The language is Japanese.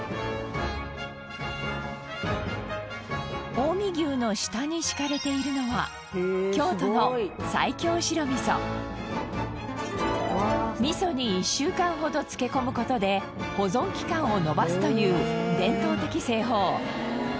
近江牛の下に敷かれているのは京都の味噌に１週間ほど漬け込む事で保存期間を延ばすという伝統的製法。